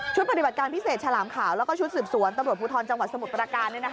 ปฏิบัติการพิเศษฉลามขาวแล้วก็ชุดสืบสวนตำรวจภูทรจังหวัดสมุทรประการ